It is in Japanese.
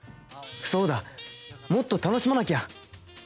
そうだもっと楽しまなきゃ